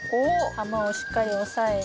球をしっかり押さえて。